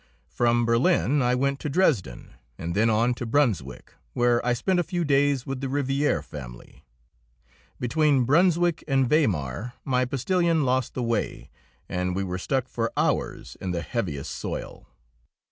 From Berlin I went to Dresden, and then on to Brunswick, where I spent a few days with the Rivière family. Between Brunswick and Weimar my postilion lost the way, and we were stuck for hours in the heaviest soil.